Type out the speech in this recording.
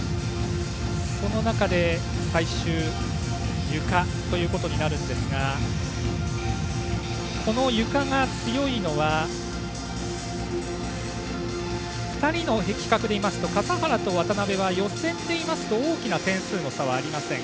その中で最終ゆかということになるんですがこのゆかが強いのは２人の比較でいいますと笠原と渡部は予選でいいますと大きな点数の差はありません。